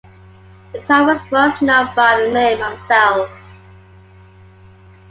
The town was once known by the name of Celles.